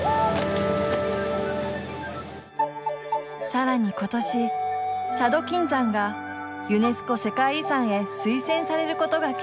さらに今年佐渡金山がユネスコ世界遺産へ推薦されることが決定。